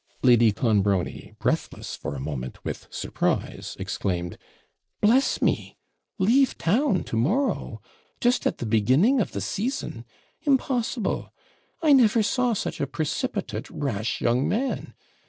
Lady Clonbrony, breathless for a moment with surprise, exclaimed, 'Bless me! leave town to morrow! Just at the beginning of the season! Impossible! I never saw such a precipitate, rash young man.